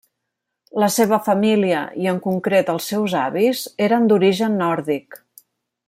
La seva família, i en concret els seus avis, eren d'origen nòrdic.